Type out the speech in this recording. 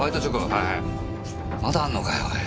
まだあんのかよおい。